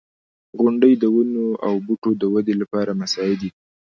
• غونډۍ د ونو او بوټو د ودې لپاره مساعدې دي.